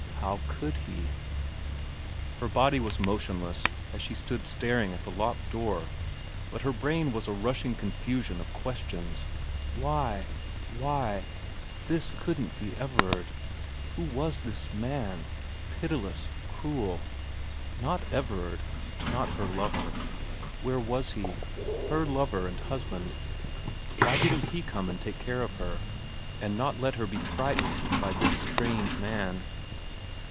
How could he ? Her body was motionless as she stood staring at the locked door, but her brain was a rushing confusion of questions. Why ? Why ? This couldn't be Everard. Who was this man pitiless, cruel ? Not Everard. Not her lover. Where was he, her lover and husband ? Why didn't he come and take care of her, and not let her be frightened by this strange man.